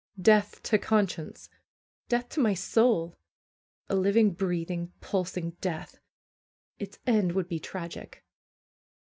Death to conscience ! Death to my soul ! A living, breathing, pulsing death! Its end would be tragic.